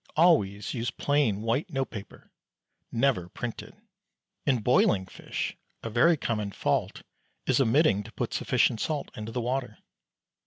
Always use plain white note paper, never printed. In boiling fish a very common fault is omitting to put sufficient salt into the water.